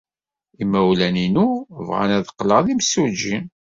Imawlan-inu bɣan ad qqleɣ d imsujji.